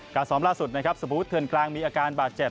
ซ้อมล่าสุดนะครับสมมุติเทือนกลางมีอาการบาดเจ็บ